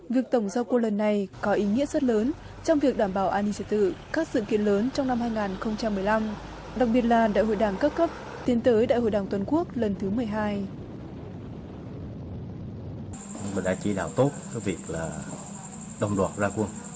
việc tổng giao quân lần này có ý nghĩa rất lớn trong việc đảm bảo an ninh trật tự các sự kiện lớn trong năm hai nghìn một mươi năm